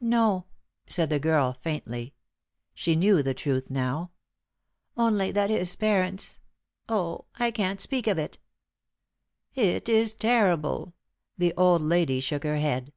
"No," said the girl, faintly. She knew the truth now. "Only that his parents oh, I can't speak of it!" "It is terrible." The old lady shook her head.